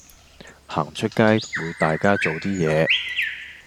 行出街會大家做啲嘢